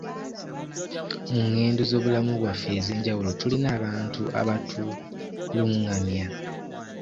Mu ngendo z'obulamu bwaffe ez'enjawulo tulina abantu abatulungamya.